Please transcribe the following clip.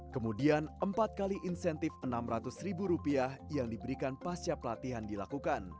kemudian empat kali insentif rp enam ratus yang diberikan pasca pelatihan dilakukan